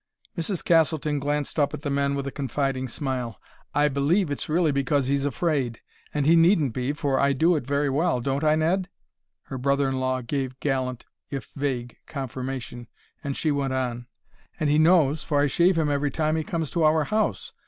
Mrs. Castleton glanced up at the men with a confiding smile. "I believe it's really because he's afraid; and he needn't be, for I do it very well don't I, Ned?" Her brother in law gave gallant, if vague, confirmation, and she went on: "And he knows, for I shave him every time he comes to our house.